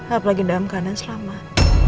apalagi dalam keadaan selamat